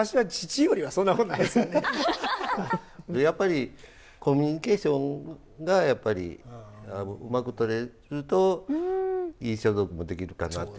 やっぱりコミュニケーションがやっぱりうまくとれるといい装束も出来るかなと思いますので。